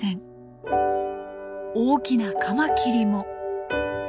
大きなカマキリも。